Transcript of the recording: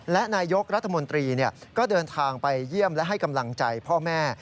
และนายกรัฐมนตรีก็เดินทางไปเยี่ยมและให้กำลังใจพ่อแม่